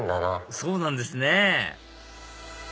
そうなんですね